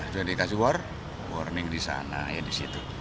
jika dikasih warning di sana ya di situ